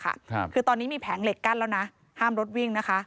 ครับคือตอนนี้มีแผงเหล็กกั้นแล้วนะห้ามรถวิ่งนะคะ